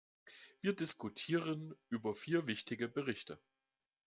Wir diskutieren über vier wichtige Berichte.